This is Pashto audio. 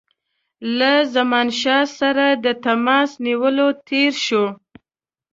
له زمانشاه سره د تماس نیولو تېر شو.